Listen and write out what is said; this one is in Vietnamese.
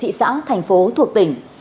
thị xã thành phố thuộc tỉnh